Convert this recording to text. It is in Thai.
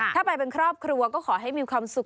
ถ้าไปเป็นครอบครัวก็ขอให้มีความสุข